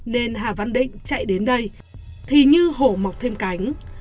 nên hà văn định chạy đến đây thì như hổ mọc thêm cánh